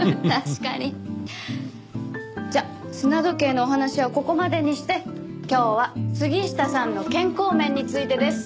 じゃあ砂時計のお話はここまでにして今日は杉下さんの健康面についてです。